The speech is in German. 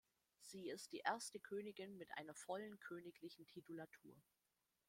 Sie ist die erste Königin mit einer vollen königlichen Titulatur.